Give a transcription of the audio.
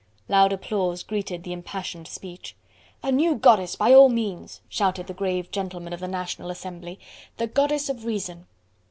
Loud applause greeted the impassioned speech. "A new goddess, by all means!" shouted the grave gentlemen of the National Assembly, "the Goddess of Reason!"